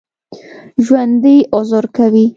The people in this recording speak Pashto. ژوندي عذر کوي